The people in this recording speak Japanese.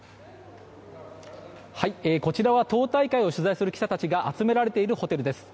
こちらは党大会を取材する記者たちが集められているホテルです。